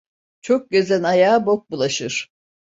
Çok gezen ayağa bok bulaşır.